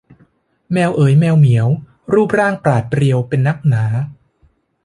แมวเอ๋ยแมวเหมียว รูปร่างปราดเปรียวเป็นนักหนา